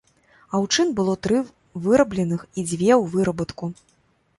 Аўчын было тры вырабленых і дзве ў вырабатку.